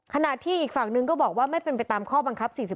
ขณะที่อีกฝั่งนึงก็บอกว่าไม่เป็นไปตามข้อบังคับ๔๔